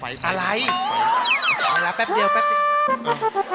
อะไรอะไรต้องรับแป๊บเดียวแป๊บเดียว